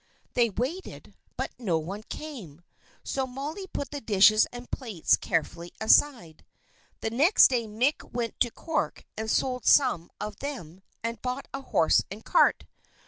They waited, but no one came; so Molly put the dishes and plates carefully aside. The next day Mick went to Cork and sold some of them, and bought a horse and cart.